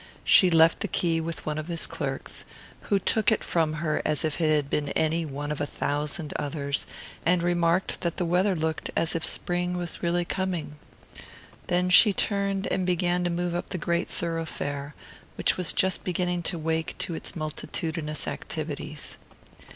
She left the key with one of his clerks, who took it from her as if it had been any one of a thousand others, and remarked that the weather looked as if spring was really coming; then she turned and began to move up the great thoroughfare, which was just beginning to wake to its multitudinous activities.